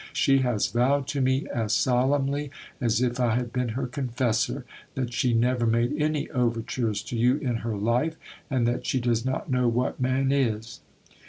She has vowed to me as solemnly as if I had been her confessor, that she never made any overtures to you in her life, and that she does not know what man is.